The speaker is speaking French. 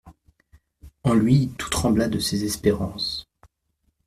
En lui tout trembla de ses espérances.